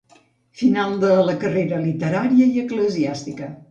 Final de la carrera literària i eclesiàstica.